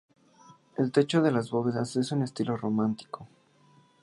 El techo de las bóvedas es de estilo románico.